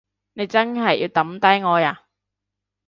你真係要抌低我呀？